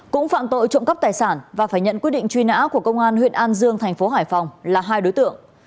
cũng phạm tội trộm cấp tài sản và phải nhận quyết định truy nã của công an huyện an dương tp hải phòng là hai đối tượng